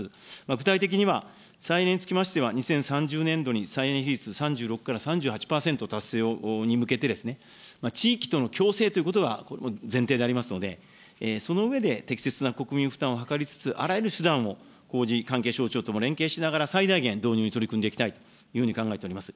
具体的には、再エネにつきましては、２０３０年度に再エネ比率３６から３８％達成に向けて、地域との共生ということがこれも前提でありますので、その上で、適切な国民負担を図りつつ、あらゆる手段を講じ、関係省庁とも連携しながら、最大限導入に取り組んでいきたいというふうに考えております。